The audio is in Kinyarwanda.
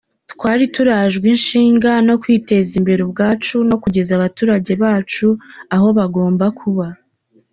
Twari turajwe ishinga no kwiteza imbere ubwacu no kugeza abaturage bacu aho bagomba kuba”